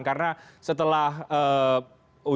karena setelah uji beri pengetahuan